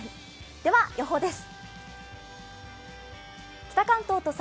では予報です。